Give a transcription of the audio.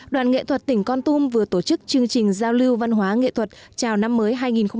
đoàn nghệ thuật tỉnh con tum vừa tổ chức chương trình giao lưu văn hóa nghệ thuật chào năm mới hai nghìn một mươi chín